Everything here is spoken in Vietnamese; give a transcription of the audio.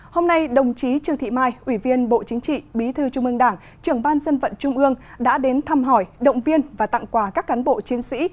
hôm nay đồng chí trương thị mai ủy viên bộ chính trị bí thư trung ương đảng trưởng ban dân vận trung ương đã đến thăm hỏi động viên và tặng quà các cán bộ chiến sĩ